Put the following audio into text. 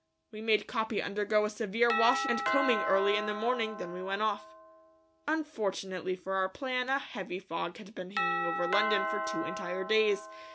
We made Capi undergo a severe washing and combing early in the morning, then we went off. Unfortunately for our plan a heavy fog had been hanging over London for two entire days.